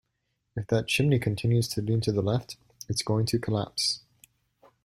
If that chimney continues to lean to the left, it's going to collapse.